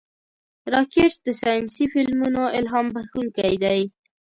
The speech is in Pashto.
راکټ د ساینسي فلمونو الهام بښونکی دی